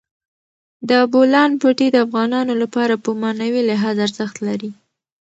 د بولان پټي د افغانانو لپاره په معنوي لحاظ ارزښت لري.